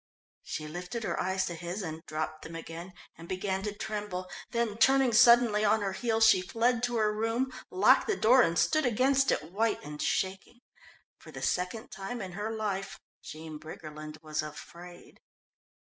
She lifted her eyes to his and dropped them again, and began to tremble, then turning suddenly on her heel, she fled to her room, locked the door and stood against it, white and shaking. For the second time in her life Jean Briggerland was afraid.